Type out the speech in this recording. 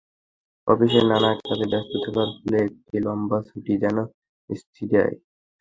অফিসের নানা কাজে ব্যস্ত থাকার ফলে একটি লম্বা ছুটি যেন স্বস্তি দেয়।